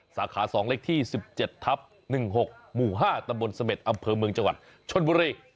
สาขา๒เลขที่๑๗ทับ๑๖หมู่๕ตำบลเสม็ดอำเภอเมืองจังหวัดชนบุรี